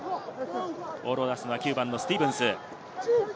ボールを出すのは９番スティーヴンス。